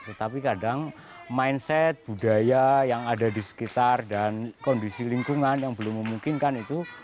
tetapi kadang mindset budaya yang ada di sekitar dan kondisi lingkungan yang belum memungkinkan itu